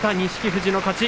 富士の勝ち。